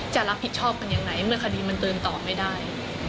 จะรับผิดชอบกันยังไงเมื่อคดีมันเติมต่อไม่ได้